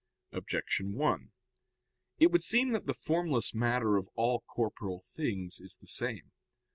Objection 1: It would seem that the formless matter of all corporeal things is the same.